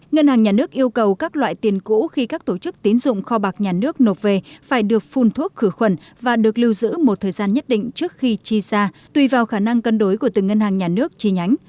ngân hàng nhà nước yêu cầu các loại tiền cũ khi các tổ chức tín dụng kho bạc nhà nước nộp về phải được phun thuốc khử khuẩn và được lưu giữ một thời gian nhất định trước khi chi ra tùy vào khả năng cân đối của từng ngân hàng nhà nước chi nhánh